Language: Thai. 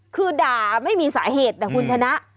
คือด่าไม่มีสาเหตุนะคุณชนะ